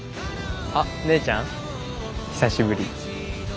あっ姉ちゃん久しぶり。